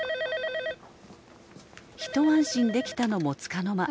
☎一安心できたのもつかの間。